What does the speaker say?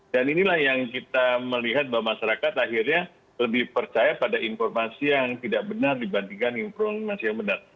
dan inilah yang kita melihat bahwa masyarakat akhirnya lebih percaya pada informasi yang tidak benar dibandingkan informasi yang benar